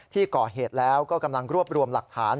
ที่ก่อเหตุแล้วก็กำลังรวบรวมหลักฐาน